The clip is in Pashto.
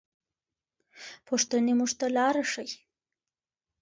پوښتنې موږ ته لاره ښيي.